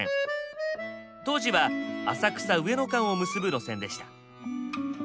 当時は浅草上野間を結ぶ路線でした。